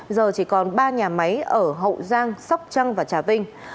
giờ chỉ còn ba nhà máy ở hậu giang sóc trăng và trà vinh